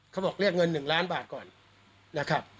เขาบอกเรียกเงิน๑ล้านบาทก่อนนะครับ